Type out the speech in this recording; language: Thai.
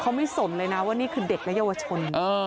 เขาไม่สนเลยนะว่านี่คือเด็กและเยาวชน